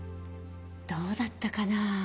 どうだったかな。